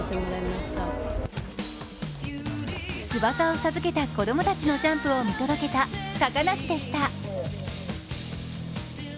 翼を授けた子供たちのジャンプを見届けた高梨でした。